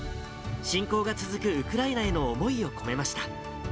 侵攻が続くウクライナへの思いを込めました。